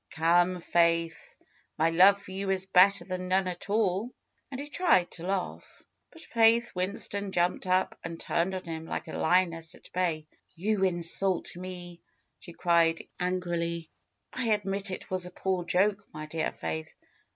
^^Come, Faith ! My love for you is better than none at all." And he tried to laugh. But Faith Winston jumped up and turned on him like a lioness at bay. ^'You insult me!" she cried angrily. admit it was a poor joke, my dear Faith."